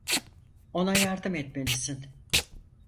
Ona yardım etmelisin.